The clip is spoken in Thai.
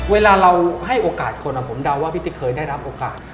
เวลาเราให้โอกาสคนผมเดาว่าพี่ติ๊กเคยได้รับโอกาส